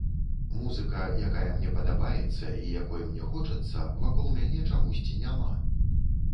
Музыка, якая мне падабаецца і якой мне хочацца, вакол мяне чамусьці няма.